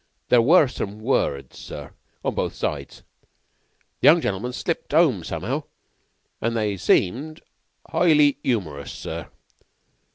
There were some words, sir, on both sides. The young gentlemen slipped 'ome somehow, and they seemed 'ighly humorous, sir.